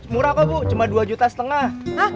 murah kok bu cuma dua juta setengah